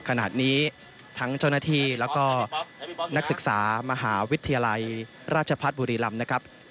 ขณะนี้ทั้งเจ้าหน้าที่แล้วก็นักศึกษามหาวิทยาลัยราชพัฒน์บุรีรำนะครับ